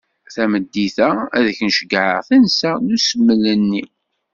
Tameddit-a, ad ak-n-ceggεeɣ tansa n usmel-nni.